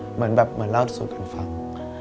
เหมือนเล่าสูตรกันฟัง